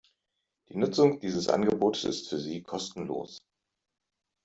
Die Nutzung dieses Angebotes ist für Sie kostenlos.